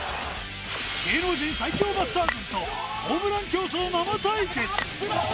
芸能人最強バッター軍とホームラン競争生対決。